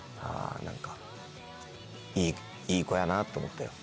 何かいい子やなと思ったよ。